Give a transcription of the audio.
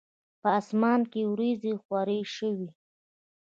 په اسمان کې وریځي خوری شوی